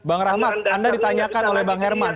bang rahmat anda ditanyakan oleh bang herman